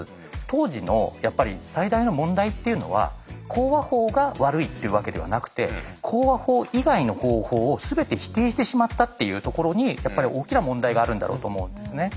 当時のやっぱり最大の問題っていうのは口話法が悪いっていうわけではなくて口話法以外の方法を全て否定してしまったっていうところにやっぱり大きな問題があるんだろうと思うんですね。